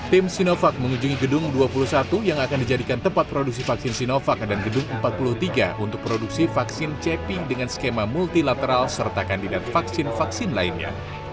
tim sinovac mengunjungi gedung dua puluh satu yang akan dijadikan tempat produksi vaksin sinovac dan gedung empat puluh tiga untuk produksi vaksin cepi dengan skema multilateral serta kandidat vaksin vaksin lainnya